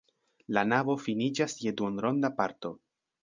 La navo finiĝas je duonronda parto.